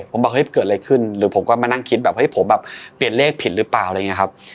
ผมบอกเฮ้ยเกิดอะไรขึ้นหรือผมก็มานั่งคิดแบบเฮ้ยผมแบบเปลี่ยนเลขผิดหรือเปล่าอะไรอย่างนี้ครับ